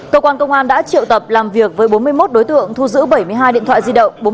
cơ quan công an đã triệu tập làm việc với bốn mươi một đối tượng thu giữ bảy mươi hai điện thoại di động